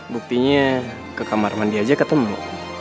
buktinya ke kamar mandi aja ketemu